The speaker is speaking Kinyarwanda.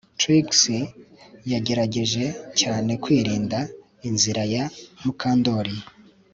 Trix yagerageje cyane kwirinda inzira ya Mukandoli